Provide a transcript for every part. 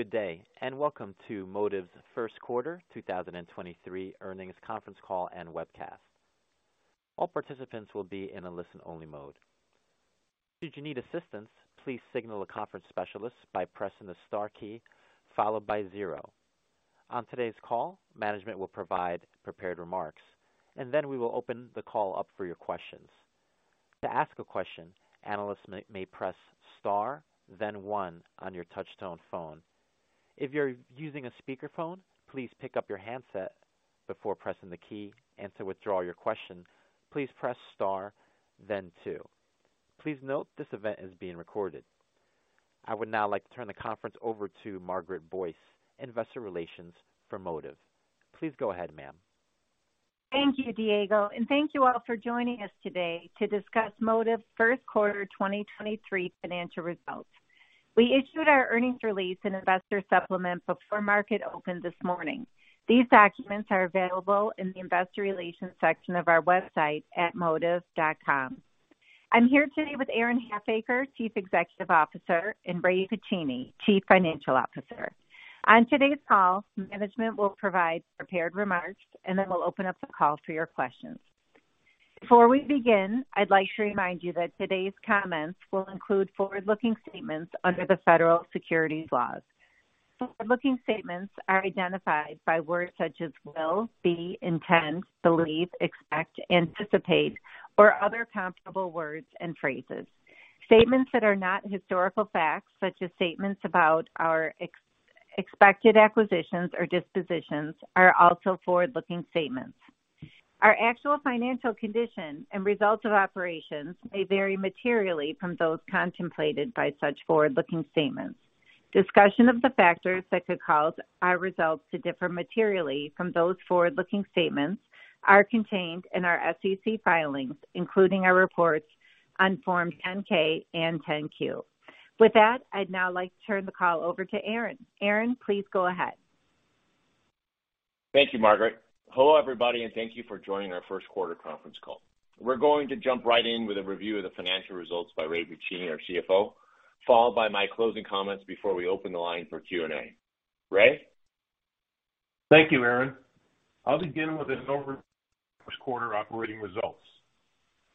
Good day, and welcome to Modiv's first quarter 2023 earnings conference call and webcast. All participants will be in a listen-only mode. Should you need assistance, please signal a conference specialist by pressing the star key followed by zero. On today's call, management will provide prepared remarks. Then we will open the call up for your questions. To ask a question, analysts may press star, then one on your touchtone phone. If you're using a speakerphone, please pick up your handset before pressing the key. To withdraw your question, please press star then two. Please note this event is being recorded. I would now like to turn the conference over to Margaret Boyce, investor relations for Modiv. Please go ahead, ma'am. Thank you, Diego, thank you all for joining us today to discuss Modiv first quarter 2023 financial results. We issued our earnings release and investor supplement before market opened this morning. These documents are available in the investor relations section of our website at modiv.com. I'm here today with Aaron Halfacre, Chief Executive Officer, and Ray Buccini, Chief Financial Officer. On today's call, management will provide prepared remarks, and then we'll open up the call for your questions. Before we begin, I'd like to remind you that today's comments will include forward-looking statements under the Federal Securities laws. Forward-looking statements are identified by words such as will, be, intend, believe, expect, anticipate, or other comparable words and phrases. Statements that are not historical facts, such as statements about our expected acquisitions or dispositions, are also forward-looking statements. Our actual financial condition and results of operations may vary materially from those contemplated by such forward-looking statements. Discussion of the factors that could cause our results to differ materially from those forward-looking statements are contained in our SEC filings, including our reports on Forms 10-K and 10-Q. I'd now like to turn the call over to Aaron. Aaron, please go ahead. Thank you, Margaret. Hello, everybody, and thank you for joining our first quarter conference call. We're going to jump right in with a review of the financial results by Ray Buccini, our CFO, followed by my closing comments before we open the line for Q&A. Ray. Thank you, Aaron. I'll begin with an overview first quarter operating results.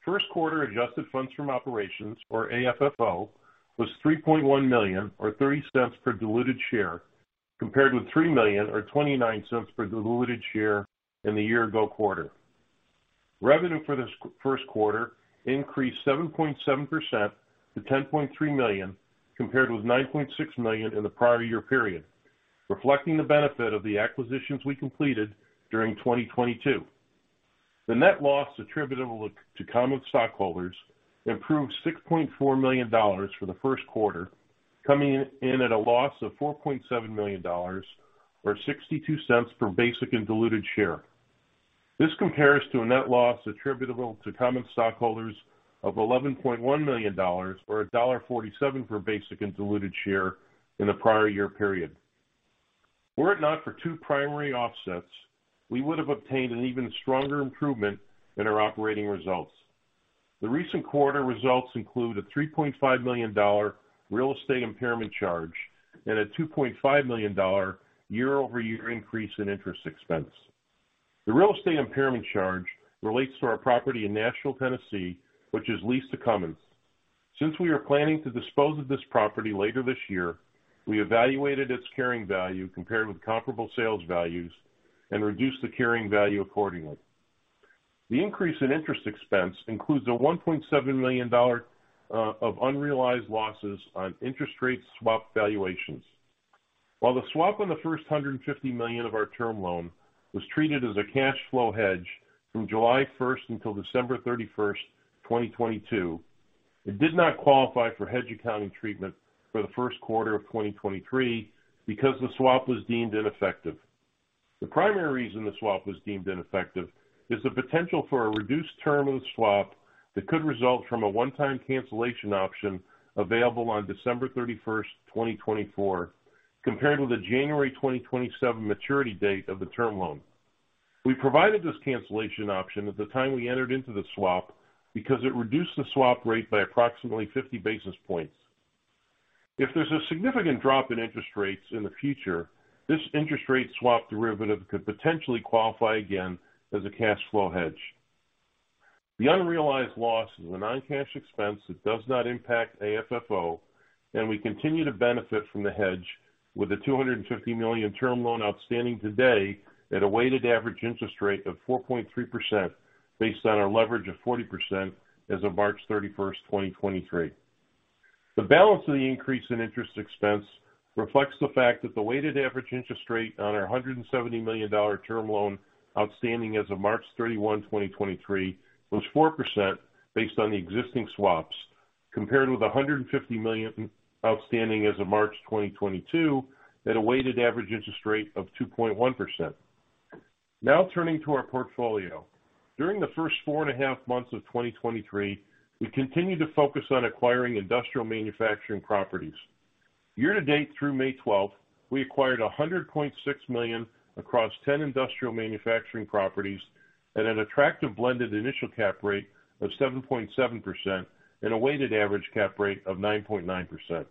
First quarter adjusted funds from operations or AFFO was $3.1 million or $0.30 per diluted share, compared with $3 million or $0.29 per diluted share in the year ago quarter. Revenue for this first quarter increased 7.7% to $10.3 million, compared with $9.6 million in the prior year period, reflecting the benefit of the acquisitions we completed during 2022. The net loss attributable to common stockholders improved $6.4 million for the first quarter, coming in at a loss of $4.7 million or $0.62 per basic and diluted share. This compares to a net loss attributable to common stockholders of $11.1 million or $1.47 per basic and diluted share in the prior year period. Were it not for two primary offsets, we would have obtained an even stronger improvement in our operating results. The recent quarter results include a $3.5 million real estate impairment charge and a $2.5 million year-over-year increase in interest expense. The real estate impairment charge relates to our property in Nashville, Tennessee, which is leased to Cummins. Since we are planning to dispose of this property later this year, we evaluated its carrying value compared with comparable sales values and reduced the carrying value accordingly. The increase in interest expense includes a $1.7 million of unrealized losses on interest rate swap valuations. While the swap on the first $150 million of our term loan was treated as a cash flow hedge from July 1st until December 31st, 2022, it did not qualify for hedge accounting treatment for the first quarter of 2023 because the swap was deemed ineffective. The primary reason the swap was deemed ineffective is the potential for a reduced term in the swap that could result from a one-time cancellation option available on December 31st, 2024, compared with the January 2027 maturity date of the term loan. We provided this cancellation option at the time we entered into the swap because it reduced the swap rate by approximately 50 basis points. If there's a significant drop in interest rates in the future, this interest rate swap derivative could potentially qualify again as a cash flow hedge. The unrealized loss is a non-cash expense that does not impact AFFO, and we continue to benefit from the hedge with the $250 million term loan outstanding today at a weighted average interest rate of 4.3% based on our leverage of 40% as of March 31, 2023. The balance of the increase in interest expense reflects the fact that the weighted average interest rate on our $170 million term loan outstanding as of March 31, 2023 was 4% based on the existing swaps, compared with $150 million outstanding as of March 2022 at a weighted average interest rate of 2.1%. Now turning to our portfolio. During the first 4.5 months of 2023, we continued to focus on acquiring industrial manufacturing properties. Year to date through May twelfth, we acquired $100.6 million across 10 industrial manufacturing properties. At an attractive blended initial cap rate of 7.7% and a weighted average cap rate of 9.9%.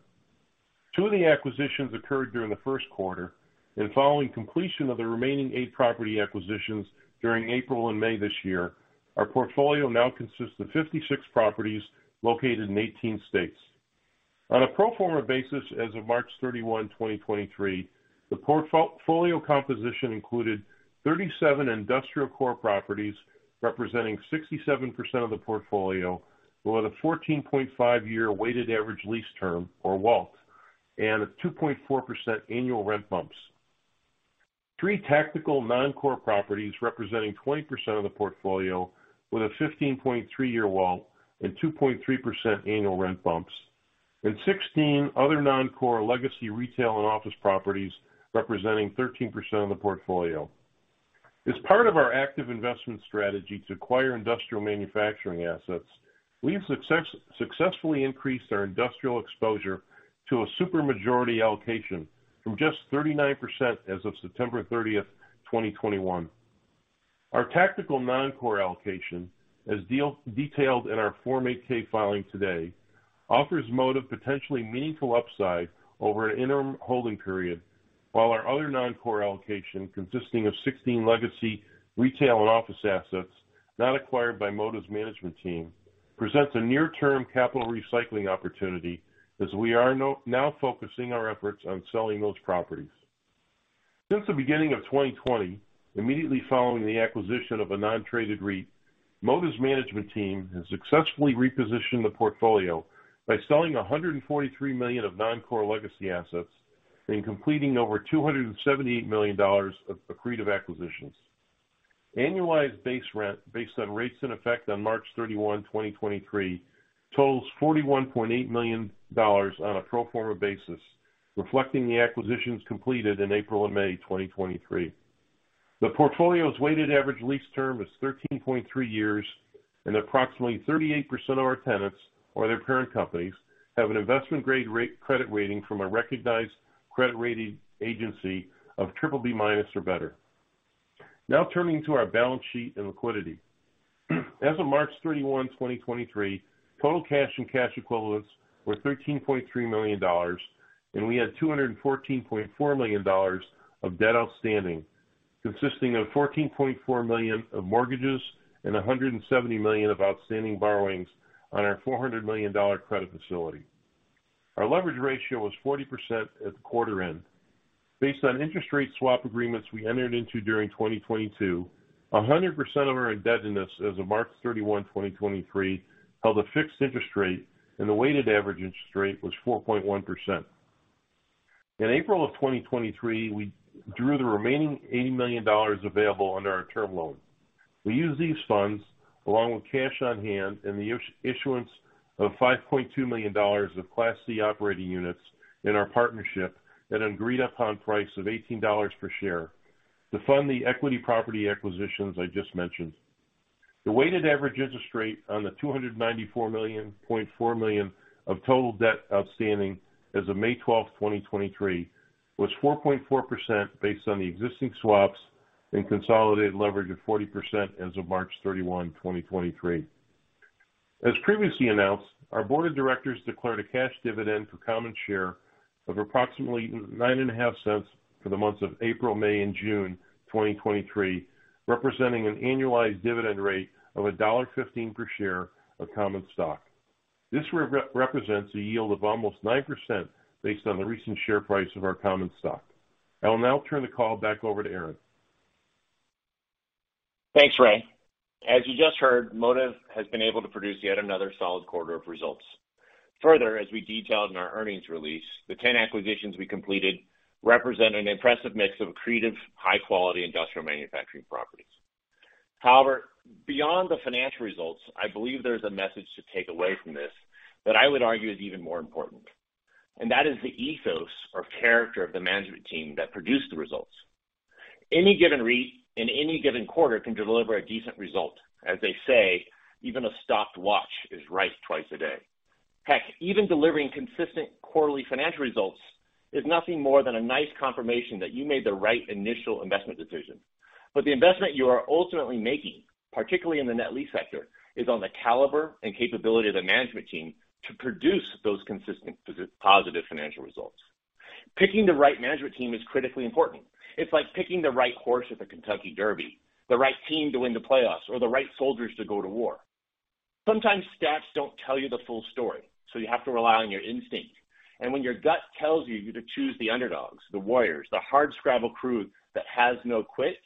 Two of the acquisitions occurred during the first quarter, and following completion of the remaining eight property acquisitions during April and May this year, our portfolio now consists of 56 properties located in 18 states. On a pro forma basis, as of March 31, 2023, the portfolio composition included 37 industrial core properties, representing 67% of the portfolio with a 14.5 year weighted average lease term, or WALT, and a 2.4% annual rent bumps. Three tactical non-core properties representing 20% of the portfolio with a 15.3 year WALT and 2.3% annual rent bumps. Sixteen other non-core legacy retail and office properties representing 13% of the portfolio. As part of our active investment strategy to acquire industrial manufacturing assets, we've successfully increased our industrial exposure to a super majority allocation from just 39% as of September 30, 2021. Our tactical non-core allocation, as detailed in our Form 8-K filing today, offers Modiv potentially meaningful upside over an interim holding period, while our other non-core allocation, consisting of 16 legacy retail and office assets not acquired by Modiv's management team, presents a near-term capital recycling opportunity as we are now focusing our efforts on selling those properties. Since the beginning of 2020, immediately following the acquisition of a non-traded REIT, Modiv's management team has successfully repositioned the portfolio by selling $143 million of non-core legacy assets and completing over $278 million of accretive acquisitions. Annualized base rent based on rates in effect on March 31, 2023 totals $41.8 million on a pro forma basis, reflecting the acquisitions completed in April and May 2023. The portfolio's weighted average lease term is 13.3 years, and approximately 38% of our tenants or their parent companies have an investment-grade rate credit rating from a recognized credit rating agency of BBB- or better. Now turning to our balance sheet and liquidity. As of March 31, 2023, total cash and cash equivalents were $13.3 million. We had $214.4 million of debt outstanding, consisting of $14.4 million of mortgages and $170 million of outstanding borrowings on our $400 million credit facility. Our leverage ratio was 40% at the quarter end. Based on interest rate swap agreements we entered into during 2022, 100% of our indebtedness as of March 31, 2023 held a fixed interest rate, and the weighted average interest rate was 4.1%. In April of 2023, we drew the remaining $80 million available under our term loan. We used these funds, along with cash on hand and the issuance of $5.2 million of Class C operating units in our partnership at an agreed-upon price of $18 per share to fund the equity property acquisitions I just mentioned. The weighted average interest rate on the $294.4 million of total debt outstanding as of May 12, 2023, was 4.4% based on the existing swaps and consolidated leverage of 40% as of March 31, 2023. As previously announced, our board of directors declared a cash dividend for common share of approximately $0.095 for the months of April, May, and June 2023, representing an annualized dividend rate of $1.15 per share of common stock. This represents a yield of almost 9% based on the recent share price of our common stock. I will now turn the call back over to Aaron. Thanks, Ray. As you just heard, Modiv has been able to produce yet another solid quarter of results. Further, as we detailed in our earnings release, the 10 acquisitions we completed represent an impressive mix of accretive, high quality industrial manufacturing properties. Beyond the financial results, I believe there's a message to take away from this that I would argue is even more important, and that is the ethos or character of the management team that produced the results. Any given REIT in any given quarter can deliver a decent result. As they say, even a stopped watch is right twice a day. Heck, even delivering consistent quarterly financial results is nothing more than a nice confirmation that you made the right initial investment decision. The investment you are ultimately making, particularly in the net lease sector, is on the caliber and capability of the management team to produce those consistent positive financial results. Picking the right management team is critically important. It's like picking the right horse at the Kentucky Derby, the right team to win the playoffs, or the right soldiers to go to war. Sometimes stats don't tell you the full story, so you have to rely on your instinct. When your gut tells you to choose the underdogs, the warriors, the hardscrabble crew that has no quit,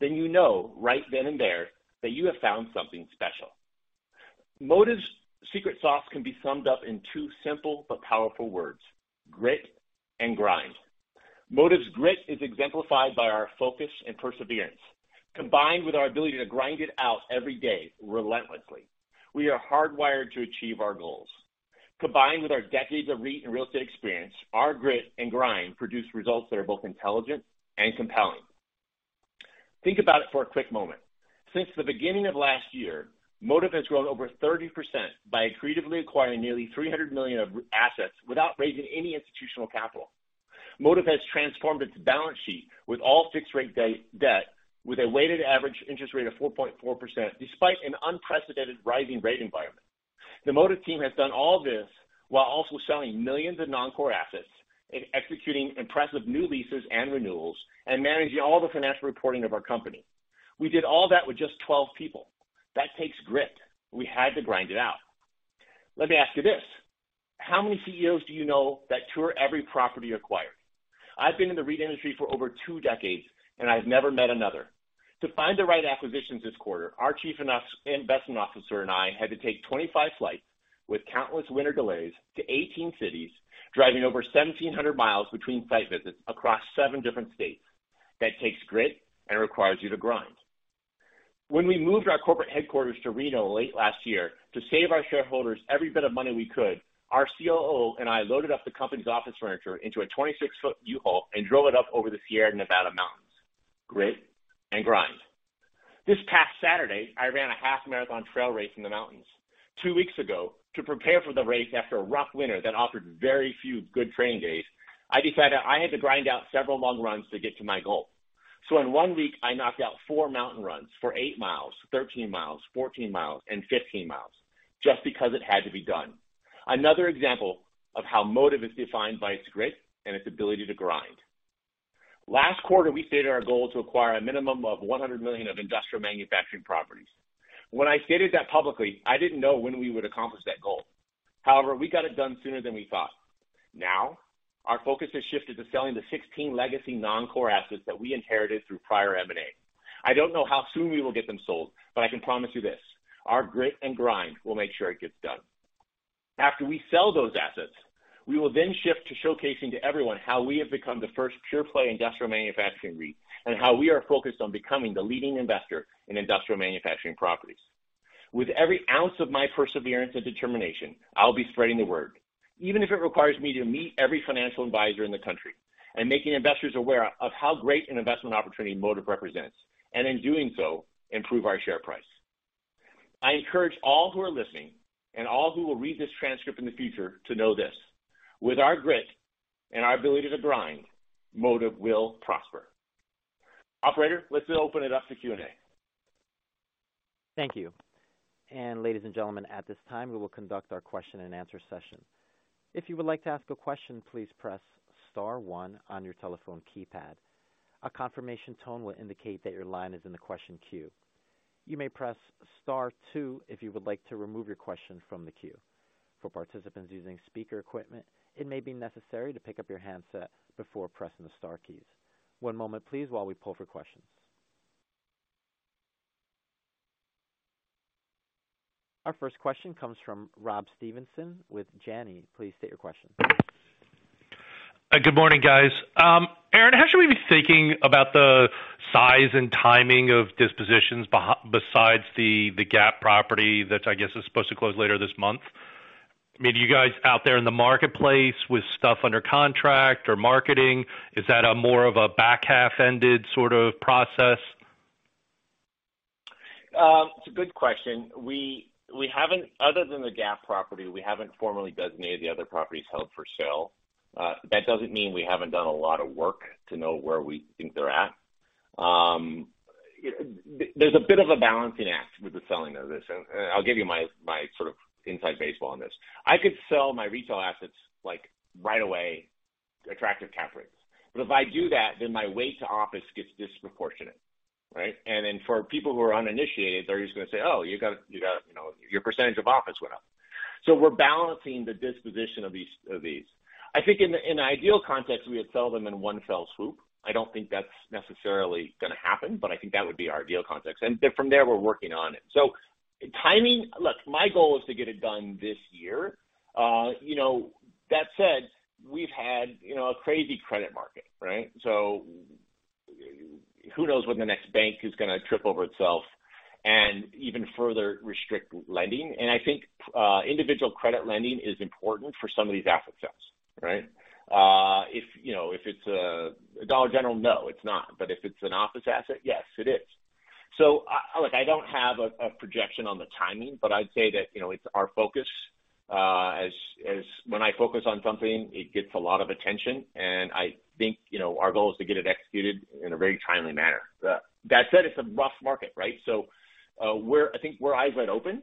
then you know right then and there that you have found something special. Modiv's secret sauce can be summed up in two simple but powerful words, grit and grind. Modiv's grit is exemplified by our focus and perseverance. Combined with our ability to grind it out every day relentlessly, we are hardwired to achieve our goals. Combined with our decades of REIT and real estate experience, our grit and grind produce results that are both intelligent and compelling. Think about it for a quick moment. Since the beginning of last year, Modiv has grown over 30% by accretively acquiring nearly $300 million of assets without raising any institutional capital. Modiv has transformed its balance sheet with all fixed rate debt with a weighted average interest rate of 4.4%, despite an unprecedented rising rate environment. The Modiv team has done all this while also selling millions of non-core assets and executing impressive new leases and renewals and managing all the financial reporting of our company. We did all that with just 12 people. That takes grit. We had to grind it out. Let me ask you this: How many CEOs do you know that tour every property acquired? I've been in the REIT industry for over two decades. I've never met another. To find the right acquisitions this quarter, our chief investment officer and I had to take 25 flights with countless winter delays to 18 cities, driving over 1,700 miles between site visits across seven different states. That takes grit and requires you to grind. When we moved our corporate headquarters to Reno late last year to save our shareholders every bit of money we could, our COO and I loaded up the company's office furniture into a 26-foot U-Haul and drove it up over the Sierra Nevada mountains. Grit and grind. This past Saturday, I ran a half marathon trail race in the mountains. Two weeks ago, to prepare for the race after a rough winter that offered very few good training days, I decided I had to grind out several long runs to get to my goal. In one week, I knocked out four mountain runs for eight miles, 13 miles, 14 miles, and 15 miles, just because it had to be done. Another example of how Modiv is defined by its grit and its ability to grind. Last quarter, we stated our goal to acquire a minimum of $100 million of industrial manufacturing properties. When I stated that publicly, I didn't know when we would accomplish that goal. We got it done sooner than we thought. Our focus has shifted to selling the 16 legacy non-core assets that we inherited through prior M&A. I don't know how soon we will get them sold. I can promise you this, our grit and grind will make sure it gets done. After we sell those assets, we will then shift to showcasing to everyone how we have become the first pure play industrial manufacturing REIT and how we are focused on becoming the leading investor in industrial manufacturing properties. With every ounce of my perseverance and determination, I'll be spreading the word, even if it requires me to meet every financial advisor in the country and making investors aware of how great an investment opportunity Modiv represents, and in doing so, improve our share price. I encourage all who are listening and all who will read this transcript in the future to know this: With our grit and our ability to grind, Modiv will prosper. Operator, let's open it up to Q&A. Thank you. Ladies and gentlemen, at this time, we will conduct our question and answer session. If you would like to ask a question, please press star one on your telephone keypad. A confirmation tone will indicate that your line is in the question queue. You may press star two if you would like to remove your question from the queue. For participants using speaker equipment, it may be necessary to pick up your handset before pressing the star keys. One moment, please, while we pull for questions. Our first question comes from Rob Stevenson with Janney. Please state your question. Good morning, guys. Aaron, how should we be thinking about the size and timing of dispositions besides the Gap Inc. property that I guess is supposed to close later this month? I mean, are you guys out there in the marketplace with stuff under contract or marketing? Is that a more of a back half-ended sort of process? It's a good question. We haven't, other than the Gap property, formally designated the other properties held for sale. That doesn't mean we haven't done a lot of work to know where we think they're at. There's a bit of a balancing act with the selling of this, and I'll give you my sort of inside baseball on this. I could sell my retail assets, like, right away, attractive cap rates. If I do that, then my weight to office gets disproportionate, right? Then for people who are uninitiated, they're just gonna say, "Oh, you got. You know, your percentage of office went up." We're balancing the disposition of these. I think in ideal context, we would sell them in one fell swoop. I don't think that's necessarily gonna happen, but I think that would be our ideal context. From there, we're working on it. Timing. Look, my goal is to get it done this year. you know, that said, we've had, you know, a crazy credit market, right? Who knows when the next bank is gonna trip over itself and even further restrict lending. I think individual credit lending is important for some of these asset sales, right? If, you know, if it's a Dollar General, no, it's not. If it's an office asset, yes, it is. Look, I don't have a projection on the timing, but I'd say that, you know, it's our focus. As when I focus on something, it gets a lot of attention. I think, you know, our goal is to get it executed in a very timely manner. That said, it's a rough market, right? I think we're eyes wide open.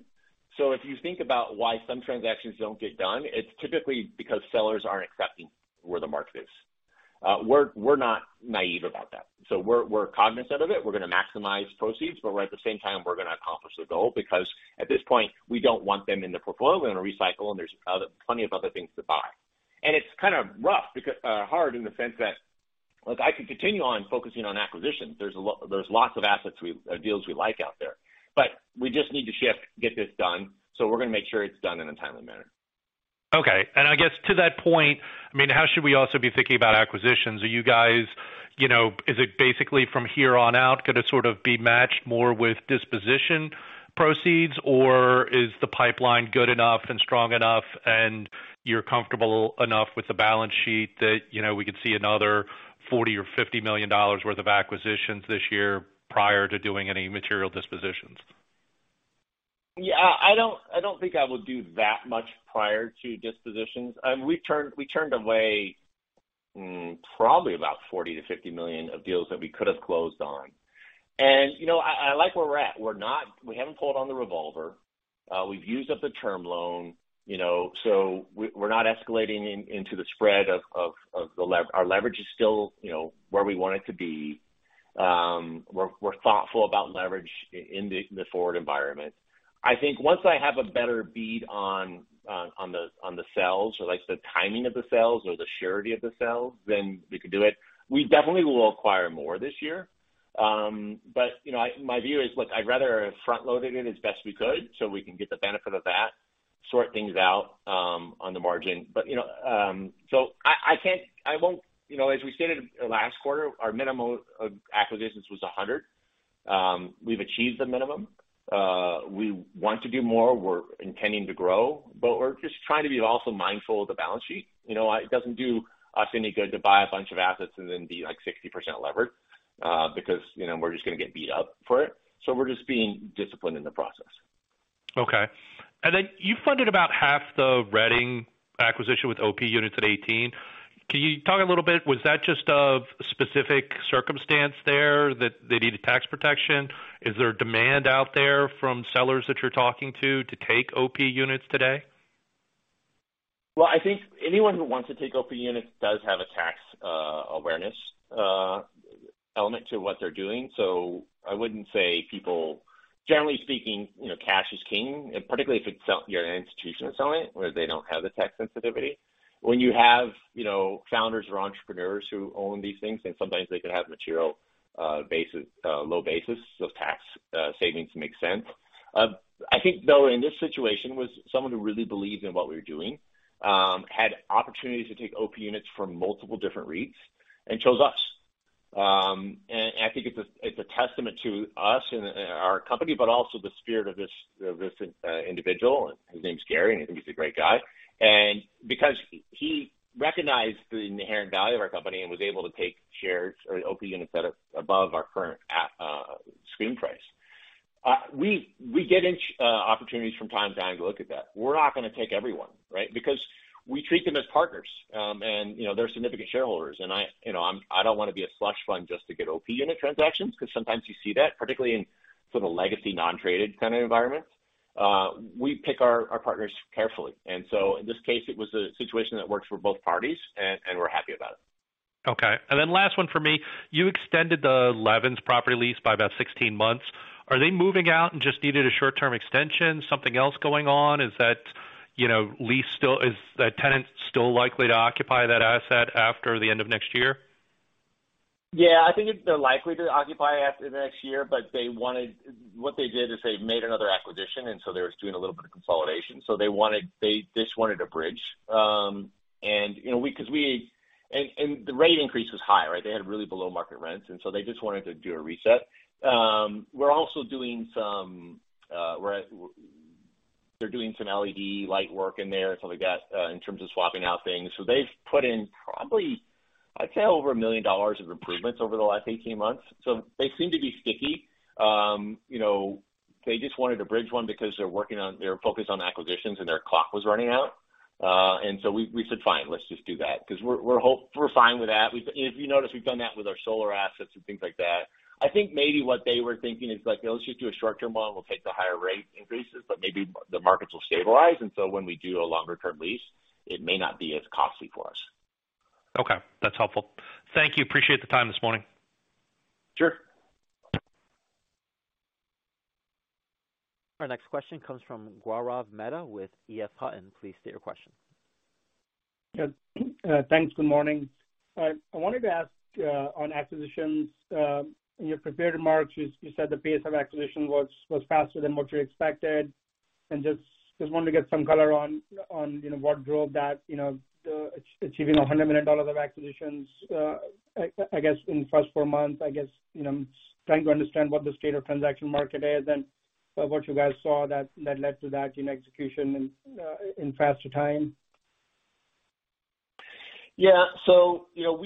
If you think about why some transactions don't get done, it's typically because sellers aren't accepting where the market is. We're not naive about that. We're cognizant of it. We're gonna maximize proceeds, but we're at the same time, we're gonna accomplish the goal because at this point, we don't want them in the portfolio. We're gonna recycle, and there's plenty of other things to buy. It's kind of rough hard in the sense that, look, I could continue on focusing on acquisitions. There's lots of assets deals we like out there. We just need to shift, get this done, so we're gonna make sure it's done in a timely manner. Okay. I guess to that point, I mean, how should we also be thinking about acquisitions? Are you guys, you know, is it basically from here on out, could it sort of be matched more with disposition proceeds? Is the pipeline good enough and strong enough and you're comfortable enough with the balance sheet that, you know, we could see another $40 million-$50 million worth of acquisitions this year prior to doing any material dispositions? Yeah, I don't, I don't think I would do that much prior to dispositions. We turned away probably about $40 million-$50 million of deals that we could have closed on. You know, I like where we're at. We haven't pulled on the revolver. We've used up the term loan, you know, so we're not escalating into the spread of Our leverage is still, you know, where we want it to be. We're thoughtful about leverage in the forward environment. I think once I have a better bead on the sales or like the timing of the sales or the surety of the sales, then we could do it. We definitely will acquire more this year. You know, my view is, look, I'd rather front-loaded it as best we could so we can get the benefit of that, sort things out, on the margin. You know, so I won't. You know, as we stated last quarter, our minimum acquisitions was 100. We've achieved the minimum. We want to do more. We're intending to grow, but we're just trying to be also mindful of the balance sheet. You know, it doesn't do us any good to buy a bunch of assets and then be like 60% levered, because, you know, we're just gonna get beat up for it. We're just being disciplined in the process. Okay. Then you funded about half the Reading acquisition with OP units at $18. Can you talk a little bit? Was that just a specific circumstance there that they needed tax protection? Is there demand out there from sellers that you're talking to to take OP units today? I think anyone who wants to take OP Units does have a tax awareness element to what they're doing. I wouldn't say. Generally speaking, you know, cash is king, and particularly if it's you're an institution that's selling it, where they don't have the tax sensitivity. When you have, you know, founders or entrepreneurs who own these things, and sometimes they could have material basis low basis, those tax savings make sense. I think, though, in this situation, was someone who really believed in what we were doing, had opportunities to take OP Units from multiple different REITs and chose us. I think it's a testament to us and our company, but also the spirit of this individual. His name's Gary, and I think he's a great guy. Because he recognized the inherent value of our company and was able to take shares or OP Units that are above our current screen price. We get opportunities from time to time to look at that. We're not gonna take every one, right? Because we treat them as partners, and, you know, they're significant shareholders. I, you know, I don't wanna be a slush fund just to get OP Unit transactions because sometimes you see that, particularly in sort of legacy non-traded kind of environments. We pick our partners carefully. In this case, it was a situation that works for both parties and we're happy about it. Okay. Last one for me. You extended the Levens property lease by about 16 months. Are they moving out and just needed a short-term extension? Something else going on? Is the tenant still likely to occupy that asset after the end of next year? Yeah. I think they're likely to occupy after the next year. They wanted. What they did is they made another acquisition. They were doing a little bit of consolidation. They wanted, they just wanted to bridge. You know, 'cause we. The rate increase was high, right. They had really below-market rents. They just wanted to do a reset. We're also doing some. They're doing some LED light work in there and stuff like that, in terms of swapping out things. They've put in probably, I'd say, over $1 million of improvements over the last 18 months. They seem to be sticky. You know, they just wanted to bridge one because they're focused on acquisitions and their clock was running out. We said, "Fine, let's just do that," 'cause we're fine with that. If you notice, we've done that with our solar assets and things like that. I think maybe what they were thinking is like, "Let's just do a short-term one. We'll take the higher rate increases, but maybe the markets will stabilize. So when we do a longer-term lease, it may not be as costly for us. Okay, that's helpful. Thank you. Appreciate the time this morning. Sure. Our next question comes from Gaurav Mehta with EF Hutton. Please state your question. Yeah. Thanks. Good morning. I wanted to ask on acquisitions. In your prepared remarks, you said the pace of acquisition was faster than what you expected. Just wanted to get some color on, you know, what drove that, you know, achieving $100 million of acquisitions, I guess, in the first four months. I guess, you know, trying to understand what the state of transaction market is and what you guys saw that led to that in execution and in faster time. Yeah. You know,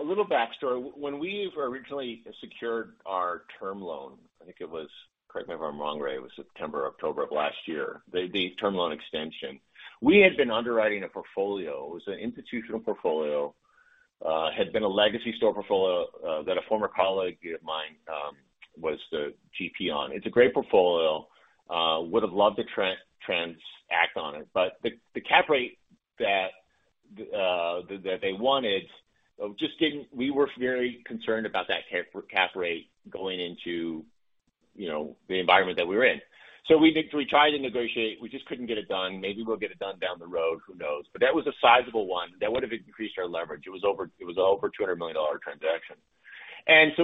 a little backstory. When we originally secured our term loan, I think it was, correct me if I'm wrong, Ray, it was September or October of last year, the term loan extension. We had been underwriting a portfolio. It was an institutional portfolio, had been a legacy STORE portfolio, that a former colleague of mine was the GP on. It's a great portfolio. Would have loved to transact on it, the cap rate that they wanted just didn't. We were very concerned about that cap rate going into, you know, the environment that we were in. We tried to negotiate. We just couldn't get it done. Maybe we'll get it done down the road, who knows? That was a sizable one. That would have increased our leverage. It was over $200 million transaction.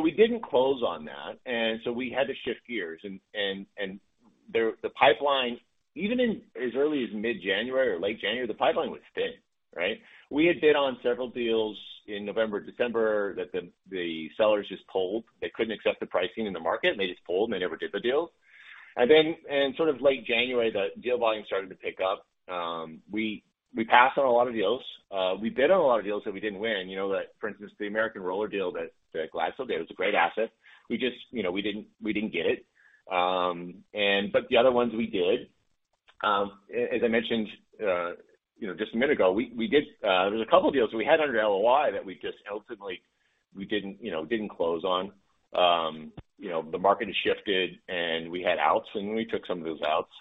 We didn't close on that, and so we had to shift gears. The pipeline, even in as early as mid-January or late January, the pipeline was thin, right? We had bid on several deals in November, December that the sellers just pulled. They couldn't accept the pricing in the market, and they just pulled, and they never did the deal. In sort of late January, the deal volume started to pick up. We passed on a lot of deals. We bid on a lot of deals that we didn't win. You know, that, for instance, the American Roller deal that Gladstone did was a great asset. We just, you know, we didn't get it. The other ones we did. As I mentioned, you know, just a minute ago, we did there was a couple of deals we had under LOI that we just ultimately we didn't, you know, didn't close on. You know, the market has shifted, and we had outs, and we took some of those outs.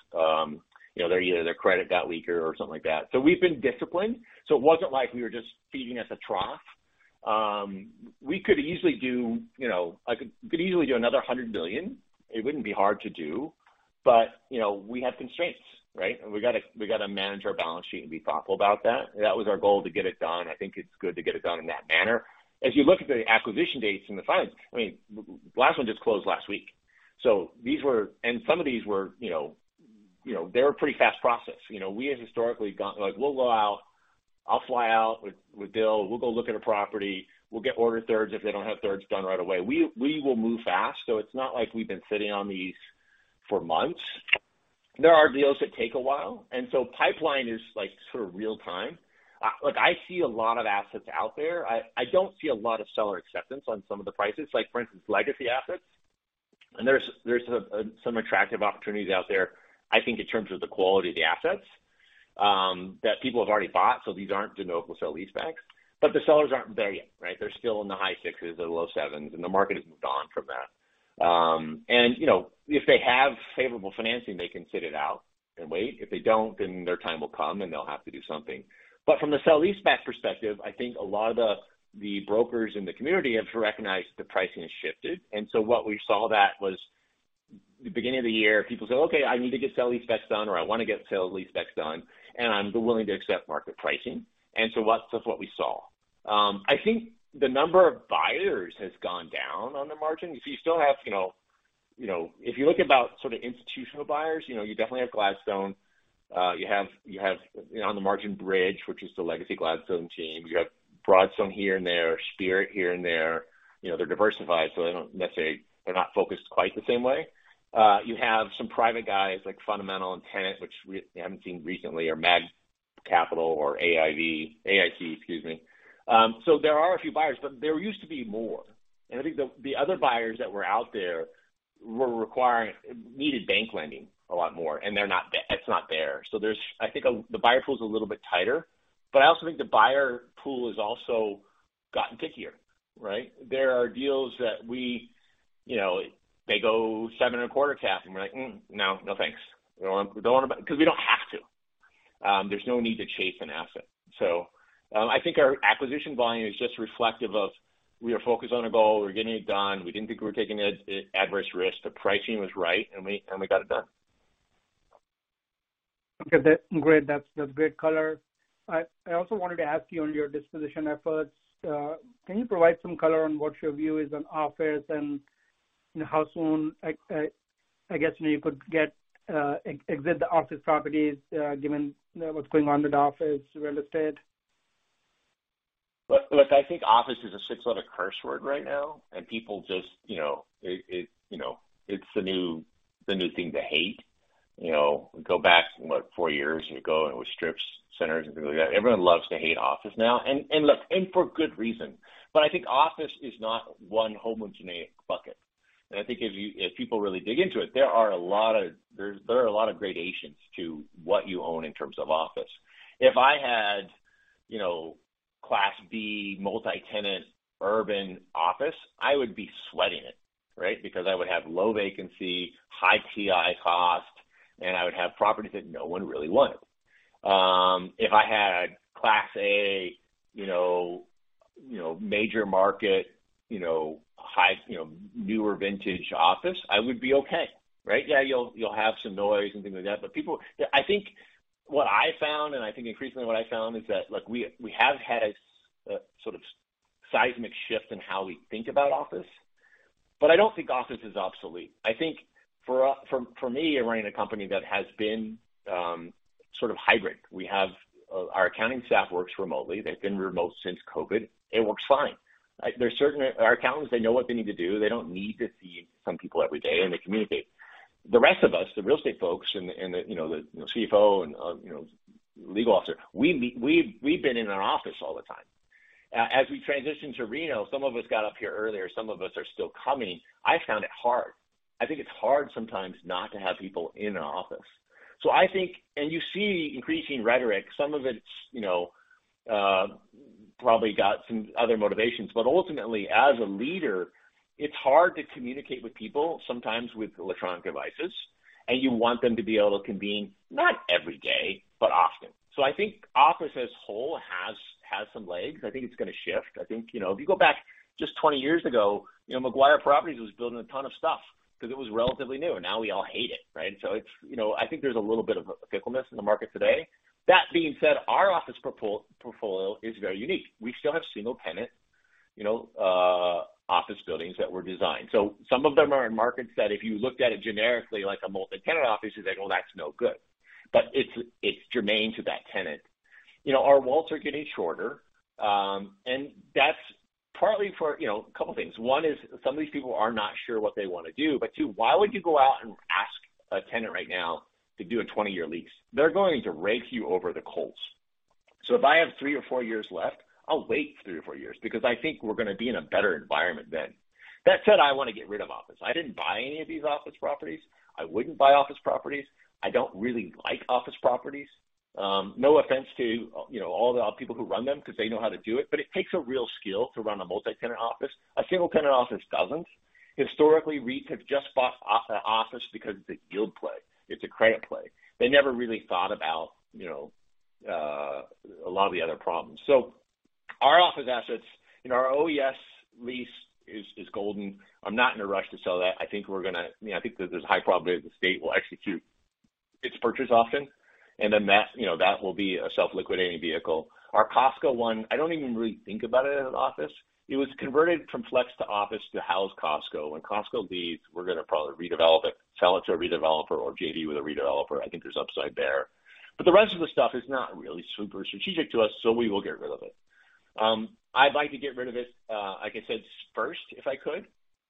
You know, they're either their credit got weaker or something like that. We've been disciplined. It wasn't like we were just feeding at the trough. We could easily do, you know, we could easily do another $100 billion. It wouldn't be hard to do. You know, we have constraints, right? We gotta manage our balance sheet and be thoughtful about that. That was our goal to get it done. I think it's good to get it done in that manner. As you look at the acquisition dates and the finance, I mean, last one just closed last week. These were. Some of these were, you know, they were pretty fast process. You know, we have historically gone like, we'll go out, I'll fly out with Bill, we'll go look at a property, we'll get order thirds if they don't have thirds done right away. We will move fast, so it's not like we've been sitting on these for months. There are deals that take a while. Pipeline is like sort of real-time. Like I see a lot of assets out there. I don't see a lot of seller acceptance on some of the prices, like for instance, legacy assets. There's some attractive opportunities out there, I think in terms of the quality of the assets that people have already bought, so these aren't de novo sale-leasebacks. The sellers aren't there yet, right? They're still in the high sixes or low sevens, and the market has moved on from that. You know, if they have favorable financing, they can sit it out and wait. If they don't, then their time will come, and they'll have to do something. From the sale-leaseback perspective, I think a lot of the brokers in the community have recognized the pricing has shifted. What we saw that was the beginning of the year, people said, "Okay, I need to get sale-leasebacks done, or I wanna get sale-leasebacks done, and I'm willing to accept market pricing." That's what we saw. I think the number of buyers has gone down on the margin. You still have, you know, you know, if you look about sort of institutional buyers, you know, you definitely have Gladstone. You have, you know, on the margin Bridge, which is the legacy Gladstone team. You have Broadstone here and there, Spirit here and there. You know, they're diversified, so they don't necessarily. They're not focused quite the same way. You have some private guys like Fundamental and Tenet, which we haven't seen recently, or MAG Capital or AIC, excuse me. There are a few buyers, but there used to be more. I think the other buyers that were out there needed bank lending a lot more, and they're not there. It's not there. There's I think the buyer pool is a little bit tighter, but I also think the buyer pool has also gotten pickier, right? There are deals that we, you know, they go seven and a quarter cap, and we're like, "no, thanks." We don't want to because we don't have to. There's no need to chase an asset. I think our acquisition volume is just reflective of we are focused on a goal. We're getting it done. We didn't think we were taking a adverse risk. The pricing was right, and we got it done. Okay. Great. That's great color. I also wanted to ask you on your disposition efforts, can you provide some color on what your view is on office and, you know, how soon, I guess, you know, you could get exit the office properties, given, you know, what's going on with office real estate? Look, I think office is a six-letter curse word right now, and people just, you know. It, you know, it's the new thing to hate. You know, go back, what, four years ago, and it was strips, centers, and things like that. Everyone loves to hate office now and look, and for good reason. I think office is not one homogeneous bucket. I think if people really dig into it, there are a lot of gradations to what you own in terms of office. If I had, you know, Class B multi-tenant urban office, I would be sweating it, right? Because I would have low vacancy, high TI cost, and I would have property that no one really wanted. If I had Class A, you know, major market, you know, high, you know, newer vintage office, I would be okay, right? Yeah, you'll have some noise and things like that. I think what I found, and I think increasingly what I found, is that, look, we have had a sort of seismic shift in how we think about office, but I don't think office is obsolete. I think for us, for me, running a company that has been sort of hybrid. We have our accounting staff works remotely. They've been remote since COVID. It works fine. There's certain. Our accountants, they know what they need to do. They don't need to see some people every day, and they communicate. The rest of us, the real estate folks and the, you know, CFO and, you know, legal officer, we've been in our office all the time. As we transition to Reno, some of us got up here earlier, some of us are still coming. I found it hard. I think it's hard sometimes not to have people in an office. I think. And you see increasing rhetoric. Some of it's, you know, probably got some other motivations, but ultimately, as a leader, it's hard to communicate with people sometimes with electronic devices, and you want them to be able to convene, not every day, but often. I think office as whole has some legs. I think it's gonna shift. I think, you know, if you go back just 20 years ago, you know, Maguire Properties was building a ton of stuff because it was relatively new. Now we all hate it, right? You know, I think there's a little bit of fickleness in the market today. That being said, our office portfolio is very unique. We still have single tenant, you know, office buildings that were designed. Some of them are in markets that if you looked at it generically like a multi-tenant office, you'd say, "Well, that's no good." It's germane to that tenant. You know, our walls are getting shorter. That's partly for, you know, two things. One is some of these people are not sure what they wanna do. Two, why would you go out and ask a tenant right now to do a 20-year lease? They're going to rake you over the coals. If I have three or four years left, I'll wait three or four years because I think we're gonna be in a better environment then. That said, I wanna get rid of office. I didn't buy any of these office properties. I wouldn't buy office properties. I don't really like office properties. No offense to, you know, all the people who run them because they know how to do it, but it takes a real skill to run a multi-tenant office. A single-tenant office doesn't. Historically, REITs have just bought office because it's a guild play, it's a credit play. They never really thought about, you know, a lot of the other problems. Our office assets in our OES lease is golden. I'm not in a rush to sell that. I think, you know, I think that there's a high probability the state will execute its purchase option, that, you know, that will be a self-liquidating vehicle. Our Costco one, I don't even really think about it as an office. It was converted from flex to office to house Costco. When Costco leaves, we're gonna probably redevelop it, sell it to a redeveloper or JV with a redeveloper. I think there's upside there. The rest of the stuff is not really super strategic to us, we will get rid of it. I'd like to get rid of it, like I said, first, if I could.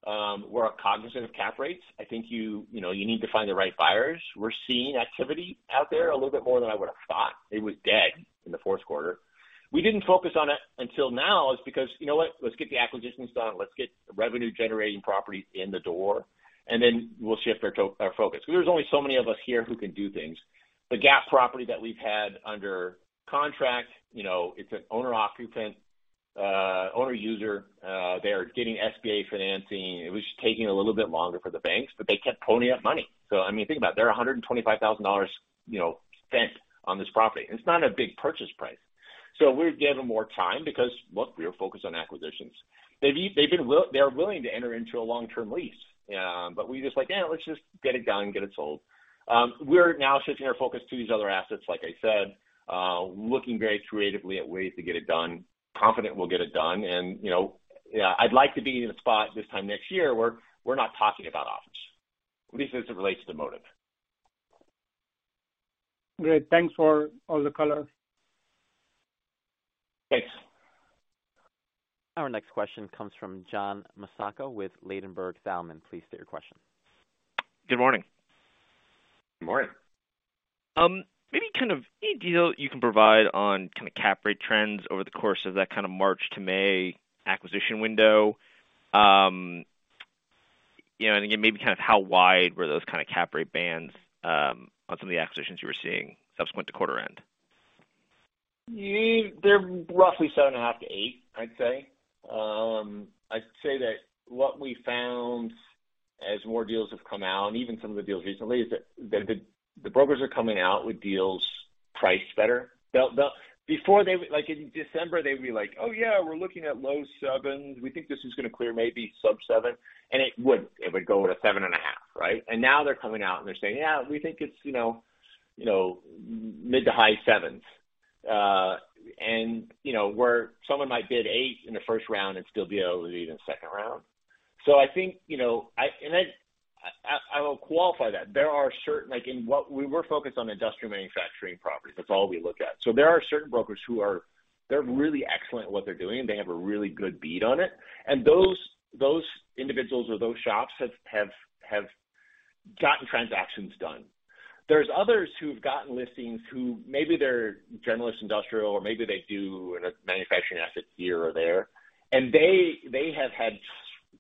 We're cognizant of cap rates. I think, you know, you need to find the right buyers. We're seeing activity out there a little bit more than I would have thought. It was dead in the fourth quarter. We didn't focus on it until now is because, you know what? Let's get the acquisitions done. Let's get revenue-generating property in the door, then we'll shift our focus. There's only so many of us here who can do things. The GAP property that we've had under contract, you know, it's an owner occupant, owner user. They are getting SBA financing. It was just taking a little bit longer for the banks, they kept ponying up money. I mean, think about it. They're $125,000, you know, spent on this property, it's not a big purchase price. We're giving more time because, look, we are focused on acquisitions. They're willing to enter into a long-term lease. We're just like, "Eh, let's just get it done, get it sold." We're now shifting our focus to these other assets, like I said. Looking very creatively at ways to get it done. Confident we'll get it done. You know, I'd like to be in a spot this time next year where we're not talking about office, at least as it relates to Modiv. Great. Thanks for all the color. Thanks. Our next question comes from John Massocca with Ladenburg Thalmann. Please state your question. Good morning. Good morning. Maybe kind of any detail you can provide on kind of cap rate trends over the course of that kind of March to May acquisition window? You know, again, maybe kind of how wide were those kind of cap rate bands on some of the acquisitions you were seeing subsequent to quarter end? Yeah. They're roughly 7.5 to 8, I'd say. I'd say that what we found as more deals have come out, even some of the deals recently, is that the brokers are coming out with deals priced better. Like in December, they would be like, "Oh, yeah, we're looking at low 7s. We think this is gonna clear maybe sub-7." It would. It would go at a 7.5, right? Now they're coming out and they're saying, "Yeah, we think it's, you know, you know, mid to high 7s." You know, where someone might bid eight in the first round and still be able to bid in the second round. I think, you know, I will qualify that. We're focused on industrial manufacturing properties. That's all we look at. There are certain brokers who are. They're really excellent at what they're doing, and they have a really good bead on it. Those individuals or those shops have gotten transactions done. There's others who've gotten listings who maybe they're generalist industrial or maybe they do a manufacturing asset here or there, and they have had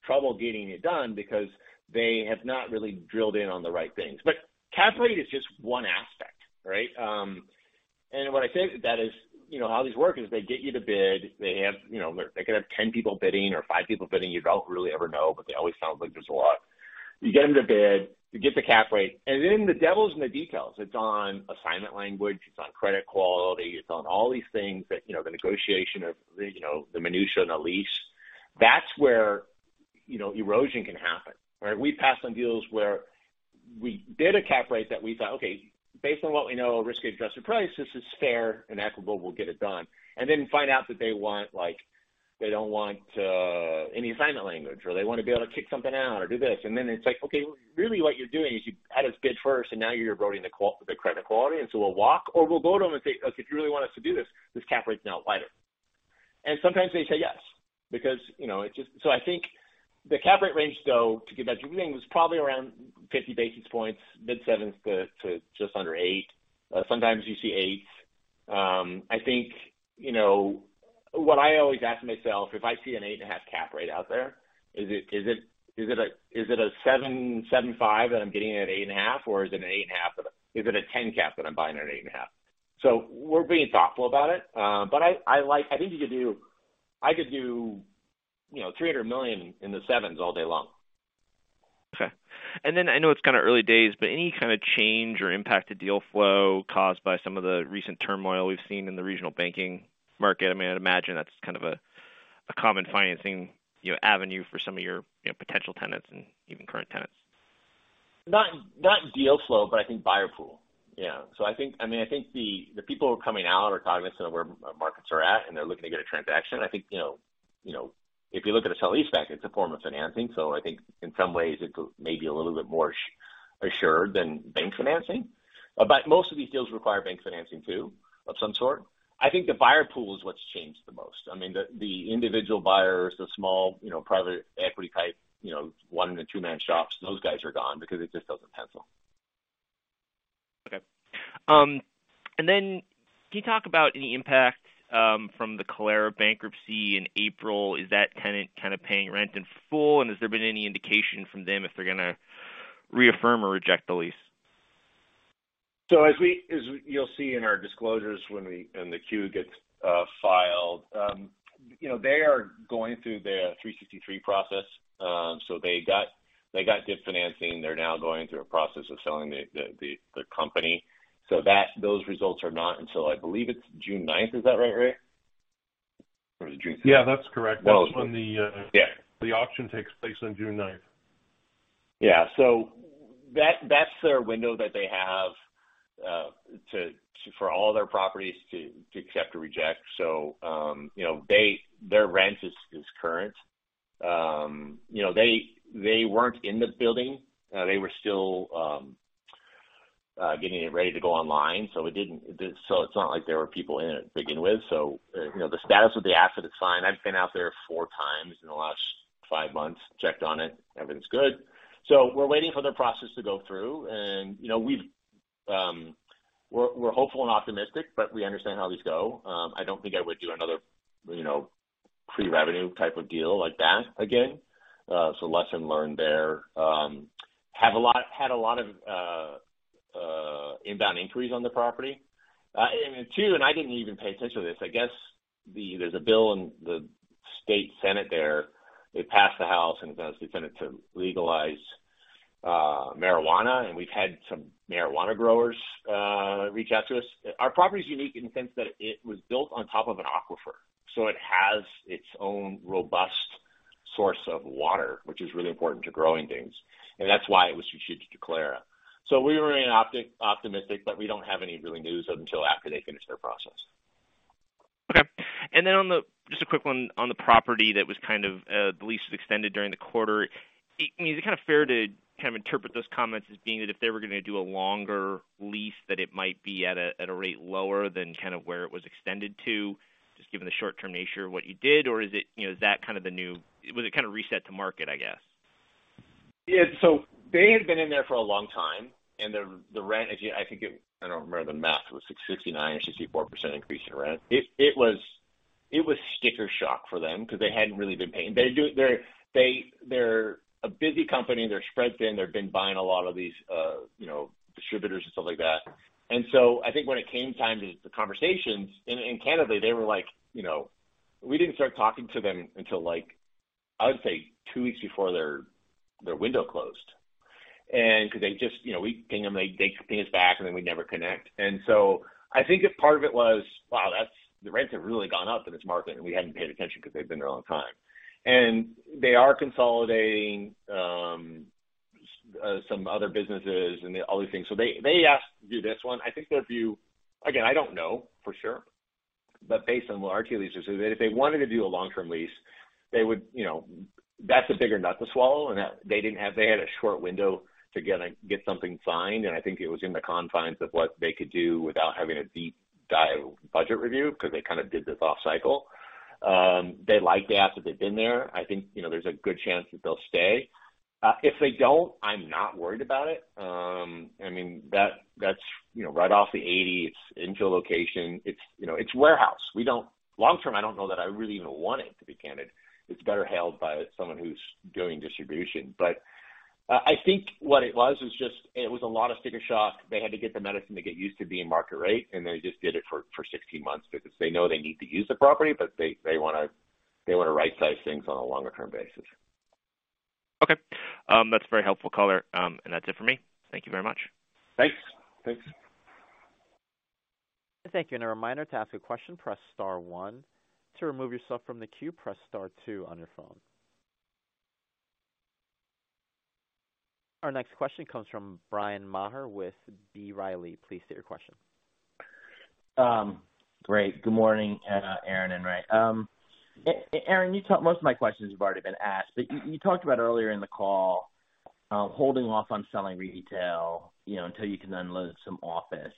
trouble getting it done because they have not really drilled in on the right things. Cap rate is just one aspect, right? When I say that is, you know how these work is they get you to bid. They have, you know, They could have 10 people bidding or five people bidding. You don't really ever know, but they always sound like there's a lot. You get them to bid, you get the cap rate, and then the devil is in the details. It's on assignment language, it's on credit quality, it's on all these things that, you know, the negotiation of the, you know, the minutiae and the lease. That's where, you know, erosion can happen, right? We pass on deals where we bid a cap rate that we thought, okay, based on what we know, risk-adjusted price, this is fair and equitable, we'll get it done. Then find out that they want, like, they don't want any assignment language, or they wanna be able to kick something out or do this. It's like, okay, really what you're doing is you had us bid first and now you're eroding the credit quality, we'll walk or we'll go to them and say, "Look, if you really want us to do this cap rate's now wider." Sometimes they say yes because, you know, I think the cap rate range, though, to give that range, was probably around 50 basis points, mid-7s to just under eight. Sometimes you see 8s. I think, you know, what I always ask myself, if I see an 8.5 cap rate out there, is it a 7.75 that I'm getting at 8.5 or is it a 10 cap that I'm buying at 8.5? We're being thoughtful about it. I like. I think you could do, you know, $300 million in the 7s all day long. Okay. Then I know it's kind of early days, but any kind of change or impact to deal flow caused by some of the recent turmoil we've seen in the regional banking market? I mean, I'd imagine that's kind of a common financing, you know, avenue for some of your, you know, potential tenants and even current tenants. Not deal flow, but I think buyer pool. Yeah. I think, I mean, I think the people who are coming out are cognizant of where markets are at, and they're looking to get a transaction. I think, you know, you know, if you look at a sale-leaseback, it's a form of financing, so I think in some ways it's maybe a little bit more assured than bank financing. Most of these deals require bank financing too of some sort. I think the buyer pool is what's changed the most. I mean, the individual buyers, the small, you know, private equity type, you know, 1 and 2-man shops, those guys are gone because it just doesn't pencil. Okay. Can you talk about any impact from the Kalera bankruptcy in April? Is that tenant kind of paying rent in full, and has there been any indication from them if they're gonna reaffirm or reject the lease? As you'll see in our disclosures when the Q gets filed, you know, they are going through their Section 363 process. They got debt financing. They're now going through a process of selling the company so that those results are not until I believe it's June 9th. Is that right, Ray? Or is it June 6th? Yeah, that's correct. Well. That's when the. Yeah. The auction takes place on June 9th. Yeah. That's their window that they have for all their properties to accept or reject. You know, their rent is current. You know, they weren't in the building. They were still getting it ready to go online, so it's not like there were people in it to begin with. You know, the status of the asset is fine. I've been out there four times in the last five months, checked on it, everything's good. We're waiting for their process to go through. You know, we're hopeful and optimistic, but we understand how these go. I don't think I would do another, you know, pre-revenue type of deal like that again. Lesson learned there. had a lot of inbound inquiries on the property. Two, I didn't even pay attention to this, I guess there's a bill in the state senate there. It passed the House. It goes to the Senate to legalize marijuana. We've had some marijuana growers reach out to us. Our property is unique in the sense that it was built on top of an aquifer, so it has its own robust source of water, which is really important to growing things, and that's why it was strategic to Kalera. We remain optimistic, but we don't have any really news until after they finish their process. Okay. Just a quick one on the property that was kind of, the lease was extended during the quarter. I mean, is it kind of fair to interpret those comments as being that if they were gonna do a longer lease that it might be at a rate lower than kind of where it was extended to, just given the short-term nature of what you did? Is it, you know, Was it reset to market, I guess? Yeah. They had been in there for a long time, and the rent, I think it. I don't remember the math. It was 659% or 64% increase in rent. It was sticker shock for them because they hadn't really been paying. They're a busy company. They're spread thin. They've been buying a lot of these, you know, distributors and stuff like that. I think when it came time to the conversations, and candidly, they were like, you know. We didn't start talking to them until like, I would say two weeks before their window closed. Because they just, you know, we'd ping them, they'd ping us back, and then we'd never connect. I think if part of it was, wow, that's. The rents have really gone up in this market. We hadn't paid attention because they've been there a long time. They are consolidating some other businesses and the other things. They asked to do this one. I think their view. Again, I don't know for sure, but based on what our two leases are, that if they wanted to do a long-term lease, they would, you know, that's a bigger nut to swallow. They had a short window to get something signed, and I think it was in the confines of what they could do without having a deep dive budget review, because they kind of did this off cycle. They like the asset. They've been there. I think, you know, there's a good chance that they'll stay. If they don't, I'm not worried about it. I mean, that's, you know, right off the 80. It's infill location. It's, you know, it's warehouse. Long term, I don't know that I really even want it, to be candid. It's better held by someone who's doing distribution. I think what it was is just it was a lot of sticker shock. They had to get the medicine to get used to being market rate, and they just did it for 16 months because they know they need to use the property, but they wanna rightsize things on a longer term basis. Okay. That's very helpful color. That's it for me. Thank you very much. Thanks. Thanks. Thank you. A reminder to ask a question, press star one. To remove yourself from the queue, press star two on your phone. Our next question comes from Bryan Maher with B. Riley. Please state your question. Great. Good morning, Aaron and Ray. Aaron, you talked Most of my questions have already been asked, but you talked about earlier in the call, holding off on selling retail, you know, until you can unload some office.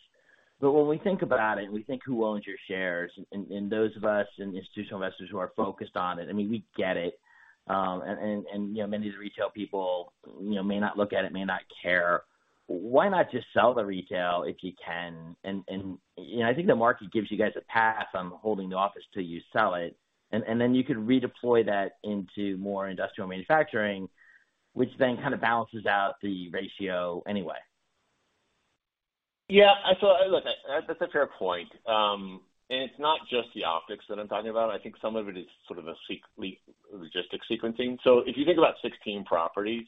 When we think about it, we think who owns your shares, and those of us and institutional investors who are focused on it, I mean, we get it. You know, many of the retail people, you know, may not look at it, may not care. Why not just sell the retail if you can? You know, I think the market gives you guys a pass on holding the office till you sell it. Then you could redeploy that into more industrial manufacturing, which then kind of balances out the ratio anyway. Yeah. Look, that's a fair point. It's not just the optics that I'm talking about. I think some of it is sort of a logistics sequencing. If you think about 16 properties,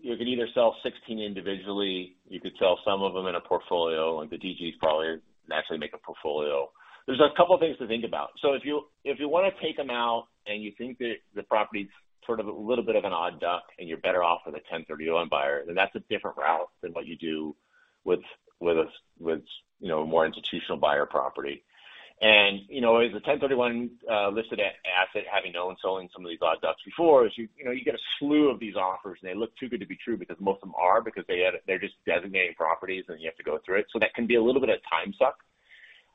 you could either sell 16 individually, you could sell some of them in a portfolio, the DG's probably naturally make a portfolio. There's a couple of things to think about. If you, if you wanna take them out and you think that the property's sort of a little bit of an odd duck and you're better off with a 1031 buyer, then that's a different route than what you do with a, you know, a more institutional buyer property. you know, as a 1031 listed asset, having known selling some of these odd ducks before is you know, you get a slew of these offers, and they look too good to be true because most of them are, because they're just designating properties, and you have to go through it. That can be a little bit of time suck.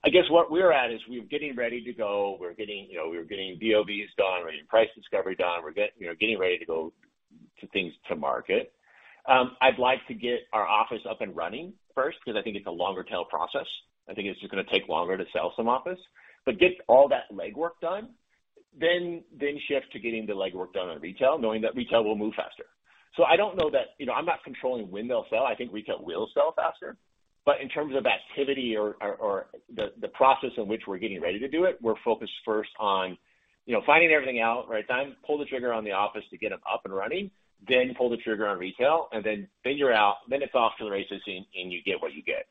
I guess what we're at is we're getting ready to go. We're getting, you know, we're getting BOVs done, we're getting price discovery done. We're getting ready to go to things to market. I'd like to get our office up and running first because I think it's a longer tail process. I think it's just gonna take longer to sell some office, but get all that legwork done, then shift to getting the legwork done on retail, knowing that retail will move faster. I don't know that. You know, I'm not controlling when they'll sell. I think retail will sell faster, but in terms of activity or the process in which we're getting ready to do it, we're focused first on, you know, finding everything out, right? Pull the trigger on the office to get them up and running, then pull the trigger on retail and then figure out. It's off to the races and you get what you get.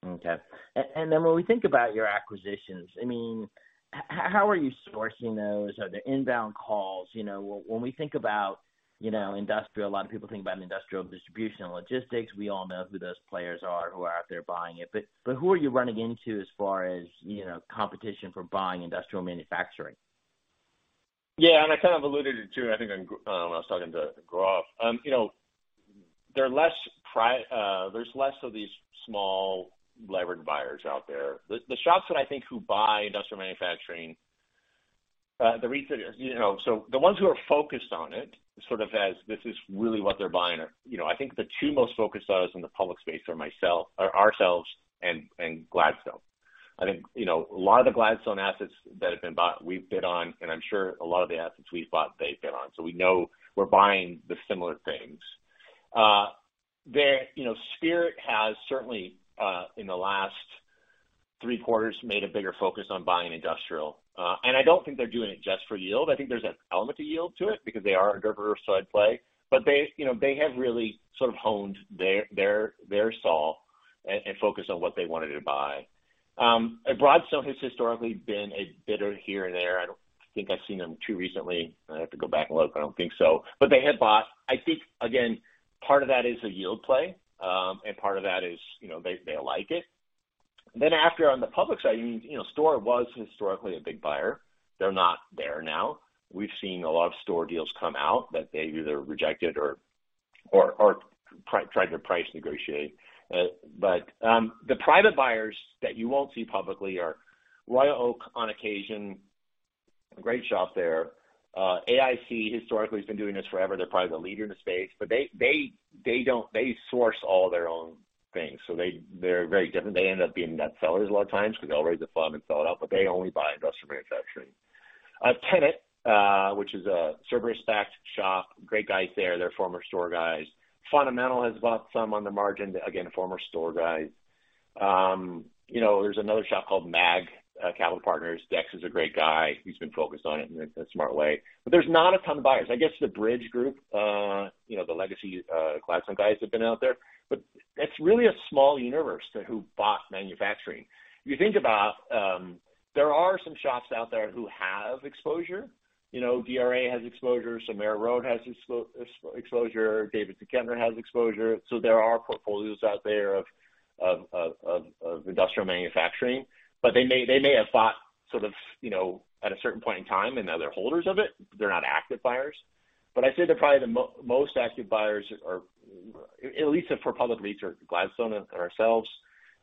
When we think about your acquisitions, I mean, how are you sourcing those? Are there inbound calls? You know, when we think about, you know, industrial, a lot of people think about an industrial distribution and logistics. We all know who those players are who are out there buying it. Who are you running into as far as, you know, competition for buying industrial manufacturing? I kind of alluded it to, I think when I was talking to Goff. You know, there's less of these small levered buyers out there. The shops that I think who buy industrial manufacturing, you know, so the ones who are focused on it sort of as this is really what they're buying. You know, I think the two most focused of us in the public space are ourselves and Gladstone. I think, you know, a lot of the Gladstone assets that have been bought, we've bid on, and I'm sure a lot of the assets we've bought, they've bid on. We know we're buying the similar things. You know, Spirit has certainly in the last three quarters made a bigger focus on buying industrial. I don't think they're doing it just for yield. I think there's an element of yield to it because they are a diversified play, but they, you know, they have really sort of honed their saw and focus on what they wanted to buy. Broadstone has historically been a bidder here and there. I don't think I've seen them too recently. I have to go back and look. I don't think so. They had bought. I think again, part of that is a yield play, and part of that is, you know, they like it. After on the public side, you know, Store was historically a big buyer. They're not there now. We've seen a lot of Store deals come out that they've either rejected or tried to price negotiate. The private buyers that you won't see publicly are Royal Oak on occasion, a great shop there. AIC historically has been doing this forever. They're probably the leader in the space, they don't source all their own things, so they're very different. They end up being net sellers a lot of times because they'll raise a fund and sell it out, they only buy industrial manufacturing. Tenet, which is a Cerberus backed shop, great guys there. They're former Store guys. Fundamental has bought some on the margin. Again, former Store guys. You know, there's another shop called MAG Capital Partners. Dax is a great guy. He's been focused on it in a smart way. There's not a ton of buyers. I guess the Bridge Group, you know, the legacy Gladstone guys have been out there, but it's really a small universe to who bought manufacturing. If you think about, there are some shops out there who have exposure. You know, GRA has exposure, Somera Road has exposure, David Scherer has exposure. There are portfolios out there of industrial manufacturing, but they may have bought sort of, you know, at a certain point in time and now they're holders of it. They're not active buyers. I'd say they're probably the most active buyers or at least for public REITs are Gladstone and ourselves.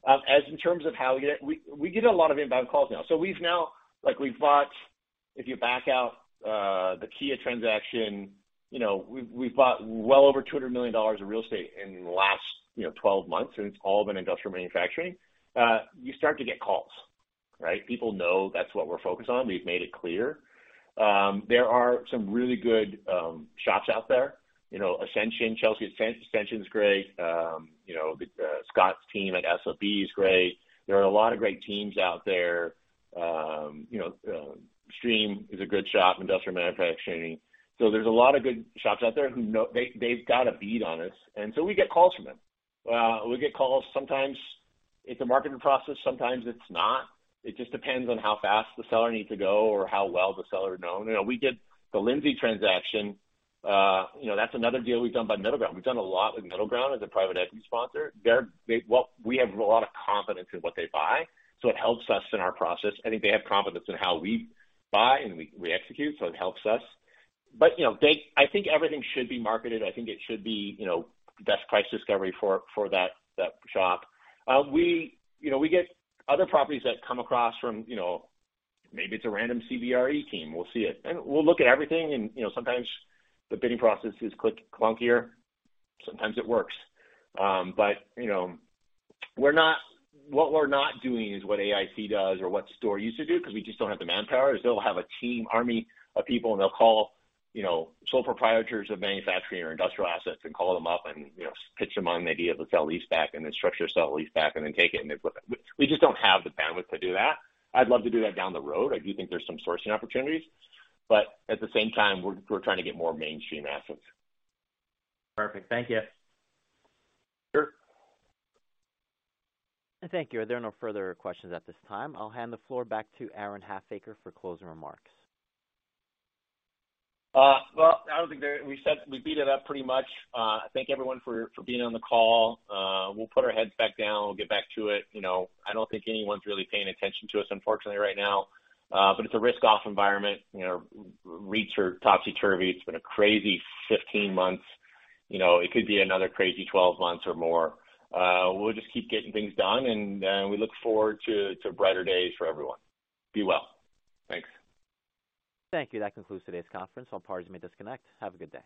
As in terms of how we get. We get a lot of inbound calls now. We've bought, if you back out, the Kia transaction, you know, we've bought well over $200 million of real estate in the last, you know, 12 months, and it's all been industrial manufacturing. You start to get calls, right? People know that's what we're focused on. We've made it clear. There are some really good shops out there. You know, Ascension, Chelsea at Ascension is great. You know, the Scott's team at SJC is great. There are a lot of great teams out there. You know, Stream is a good shop, industrial manufacturing. There's a lot of good shops out there who know they've got a beat on us, we get calls from them. We get calls. Sometimes it's a marketing process, sometimes it's not. It just depends on how fast the seller needs to go or how well the seller know. You know, we did the Lindsay transaction. You know, that's another deal we've done by MiddleGround. We've done a lot with MiddleGround as a private equity sponsor. Well, we have a lot of confidence in what they buy, so it helps us in our process. I think they have confidence in how we buy and we execute, so it helps us. You know, I think everything should be marketed. I think it should be, you know, best price discovery for that shop. You know, we get other properties that come across from, you know, maybe it's a random CBRE team, we'll see it. We'll look at everything and, you know, sometimes the bidding process is clunkier, sometimes it works. You know, what we're not doing is what AIC does or what STORE used to do because we just don't have the manpower. They'll have a team, army of people, and they'll call, you know, sole proprietors of manufacturing or industrial assets and call them up and, you know, pitch them on the idea of a sale-leaseback and then structure a sale-leaseback and then take it. They flip it. We just don't have the bandwidth to do that. I'd love to do that down the road. I do think there's some sourcing opportunities. At the same time, we're trying to get more mainstream assets. Perfect. Thank you. Sure. Thank you. There are no further questions at this time. I'll hand the floor back to Aaron Halfacre for closing remarks. Well, I don't think there. We beat it up pretty much. Thank everyone for being on the call. We'll put our heads back down and we'll get back to it. You know, I don't think anyone's really paying attention to us, unfortunately, right now. It's a risk-off environment. You know, REITs are topsy-turvy. It's been a crazy 15 months. You know, it could be another crazy 12 months or more. We'll just keep getting things done, and we look forward to brighter days for everyone. Be well. Thanks. Thank you. That concludes today's conference. All parties may disconnect. Have a good day.